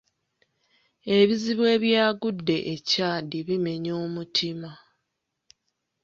Ebizibu ebyagudde e Chad bimenya omutima.